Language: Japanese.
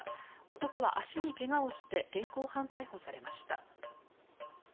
男は足に怪我をして現行犯逮捕されました。